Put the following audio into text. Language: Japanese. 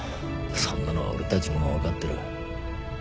そんなのは俺たちにも分かってる。